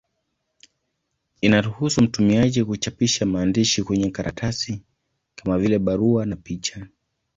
Inaruhusu mtumiaji kuchapisha maandishi kwenye karatasi, kama vile barua na picha.